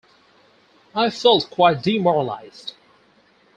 I felt quite demoralised.